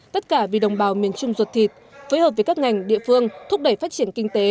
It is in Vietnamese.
tất cả vì đồng bào miền trung ruột thịt phối hợp với các ngành địa phương thúc đẩy phát triển kinh tế